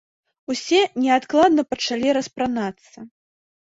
Усе неадкладна пачалі распранацца!